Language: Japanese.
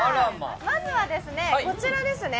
まずはこちらですね。